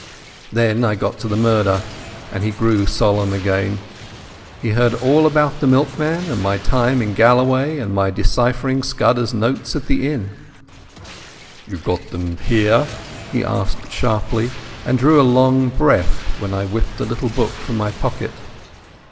Then I got to the murder, and he grew solemn again. He heard all about the milkman and my time in Galloway, and my deciphering Scudder's notes at the inn. "You've got them here?" he asked sharply, and drew a long breath when I whipped the little book from my pocket.